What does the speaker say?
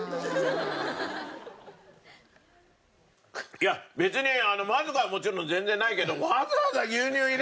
いや別にまずくはもちろん全然ないけど。